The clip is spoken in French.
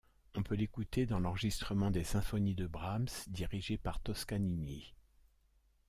On peut l'écouter dans l'enregistrement des Symphonies de Brahms dirigées par Toscanini.